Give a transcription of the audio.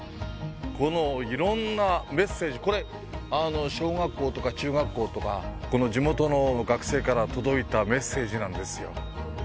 この色んなメッセージこれ小学校とか中学校とか地元の学生から届いたメッセージなんですよ